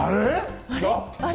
あれ？